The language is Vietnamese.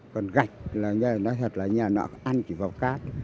còn gạch là nói thật là nhà nó ăn chỉ vào cát